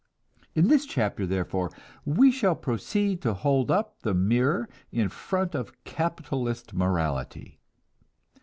In this chapter, therefore, we shall proceed to hold up the mirror in front of capitalist morality.